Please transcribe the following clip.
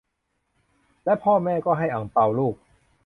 และพ่อแม่ก็ให้อั่งเปาลูก